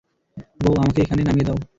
বোহ, আমাকে এখানে নামিয়ে দাও!